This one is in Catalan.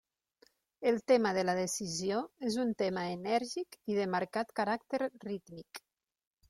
El tema de la decisió és un tema enèrgic i de marcat caràcter rítmic.